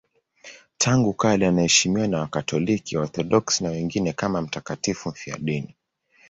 Tangu kale anaheshimiwa na Wakatoliki, Waorthodoksi na wengineo kama mtakatifu mfiadini.